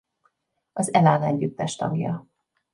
Az Elán együttes tagja.